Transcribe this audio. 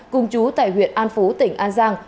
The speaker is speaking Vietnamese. cùng chú tại huyện an phú tỉnh an giang